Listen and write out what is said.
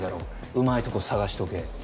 うまいとこ探しておけ」